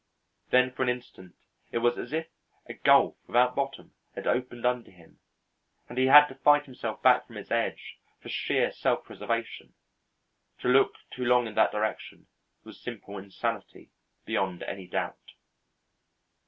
Then for an instant it was as if a gulf without bottom had opened under him, and he had to fight himself back from its edge for sheer self preservation. To look too long in that direction was simple insanity beyond any doubt.